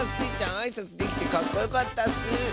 あいさつできてかっこよかったッス！